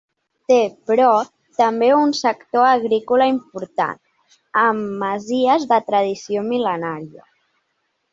Té, però, també un sector agrícola important, amb masies de tradició mil·lenària.